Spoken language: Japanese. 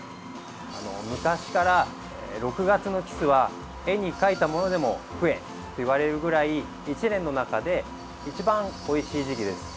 昔から６月のキスは絵に描いたものでも食えと言われるくらい１年の中で一番おいしい時期です。